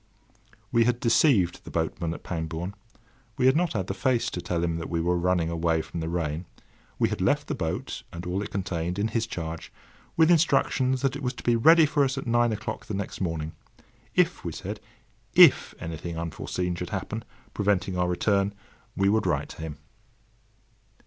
We had deceived the boatman at Pangbourne. We had not had the face to tell him that we were running away from the rain. We had left the boat, and all it contained, in his charge, with instructions that it was to be ready for us at nine the next morning. If, we said—if anything unforeseen should happen, preventing our return, we would write to him.